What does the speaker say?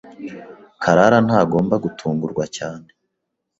Karara ntagomba gutungurwa cyane.